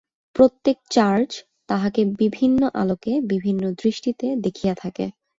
প্রত্যেক চার্চ তাঁহাকে বিভিন্ন আলোকে বিভিন্ন দৃষ্টিতে দেখিয়া থাকে।